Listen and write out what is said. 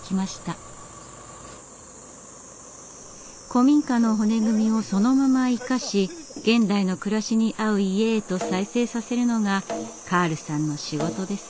古民家の骨組みをそのまま生かし現代の暮らしに合う家へと再生させるのがカールさんの仕事です。